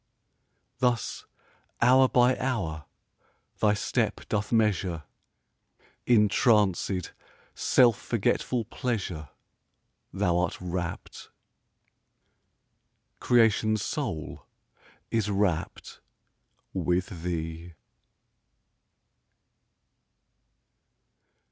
Thus hour by hour thy step doth measure â In tranced self forgetful pleasure Thou'rt rapt; creation's soul is rapt with thee!